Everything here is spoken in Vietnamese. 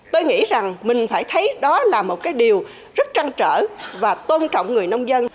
tôi nghĩ rằng mình phải thấy đó là một cái điều rất trăng trở và tôn trọng người nông dân